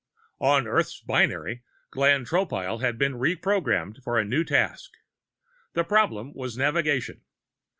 X On Earth's binary, Glenn Tropile had been reprogrammed for a new task. The problem was navigation.